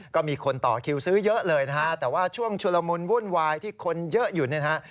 ก็มีคนต่อคิวซื้อเยอะเลยนะฮะแต่ว่าช่วงชุลมุนวุ่นวายที่คนเยอะอยู่เนี่ยนะฮะ